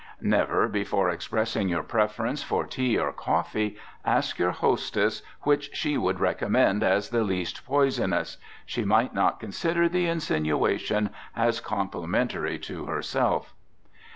Never, before expressing your preference for tea or coffee, ask your hostess which she would recommend as the least poisonous? She might not consider the insinuation as complimentary to herself.